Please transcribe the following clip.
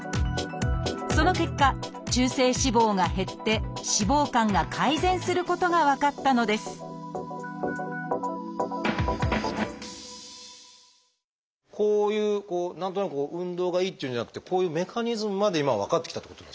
その結果中性脂肪が減って脂肪肝が改善することが分かったのですこういう何となく運動がいいっていうんじゃなくてこういうメカニズムまで今は分かってきたってことですね。